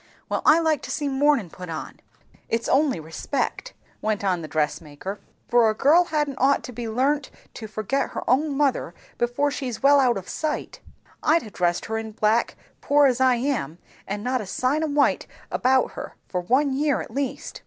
"Well I like to see mournin' put on, if it's only respect," went on the dress maker; "and a girl hadn't ought to be learnt to forget her own mother, before she's well out of sight. I'd ha' dressed her in black, poor as I am, and not a sign o white about her, for one year at least.